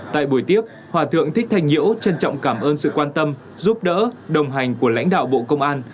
tại buổi tiếp hòa thượng thích thành nhiễu trân trọng cảm ơn sự quan tâm giúp đỡ đồng hành của lãnh đạo bộ công an